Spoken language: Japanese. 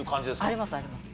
ありますあります。